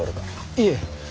いえ。